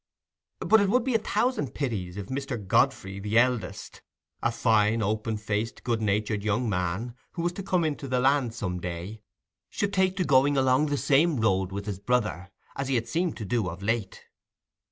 But it would be a thousand pities if Mr. Godfrey, the eldest, a fine open faced good natured young man who was to come into the land some day, should take to going along the same road with his brother, as he had seemed to do of late.